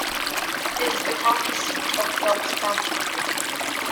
It is the county seat of Phelps County.